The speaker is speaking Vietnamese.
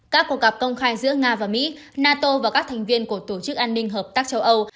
các cuộc gặp công khai giữa nga và mỹ nato và các thành viên của tổ chức an ninh hợp tác châu âu